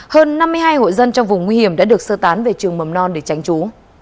hơn năm mươi hai hộ dân trong vùng nguy hiểm đã được sơ tán về trường mầm non để tránh trú